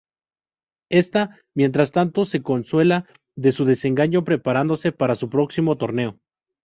Esta, mientras tanto, se consuela de su desengaño preparándose para su próximo torneo.